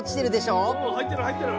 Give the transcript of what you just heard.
うん入ってる入ってる。